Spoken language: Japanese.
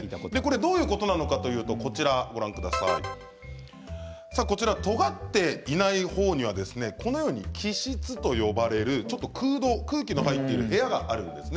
どういうことかというととがっていない方にはこのように気室と呼ばれる空洞空気が入っている部屋があります。